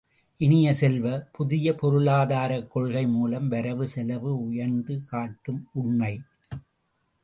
இனிய செல்வ, புதிய பொருளாதாரக் கொள்கை மூலம் வரவு செலவு உயர்ந்து காட்டும் உண்மை.